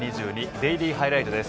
デイリーハイライト」です。